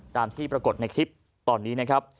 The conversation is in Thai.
ตามที่ปรากฏในคลิปตอนนี้นะครับ